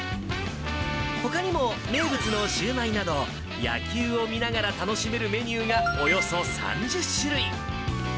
ほかにも名物のしゅうまいなど、野球を見ながら楽しめるメニューがおよそ３０種類。